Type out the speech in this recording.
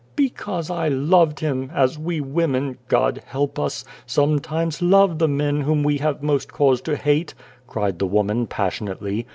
11 Because I loved him, as we women God help us ! sometimes love the men whom we have most cause to hate," cried the woman passionately.